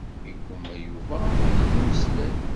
Yeggumma Yuba ad iyi-d-yemmeslay.